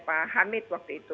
pak hamid waktu itu